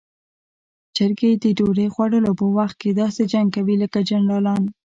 چرګې د ډوډۍ خوړلو په وخت کې داسې جنګ کوي لکه جنرالان.